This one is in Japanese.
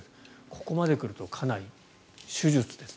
ここまで来るとかなり手術です。